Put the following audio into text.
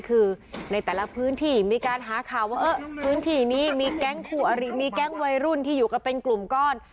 คือในแต่ละพื้นที่มีการหาข่าวว่าพื้นที่นี่มีแก๊งไวรุ่นที่อยู่กับเป็นกลุ่มก้อน